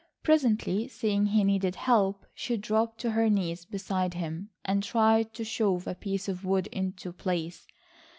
Presently seeing he needed help she dropped to her knees beside him and tried to shove a piece of wood into place.